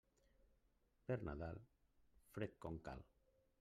Per Nadal, fred com cal.